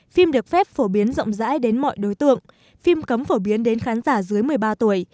phim được phép phổ biến rộng rãi đến mọi đối tượng phim cấm phổ biến đến khán giả dưới một mươi ba tuổi